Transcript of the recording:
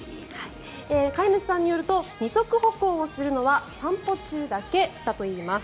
飼い主さんによると二足歩行をするのは散歩中だけだといいます。